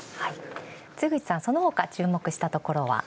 露口さんそのほか注目したところは？